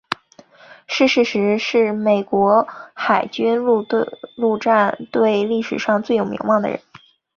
逝世时是美国海军陆战队历史上最有名望的人。